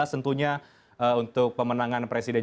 tentunya untuk pemenangan presiden